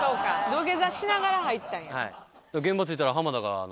土下座しながら入ったんや。